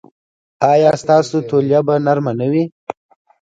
ایا ستاسو تولیه به نرمه نه وي؟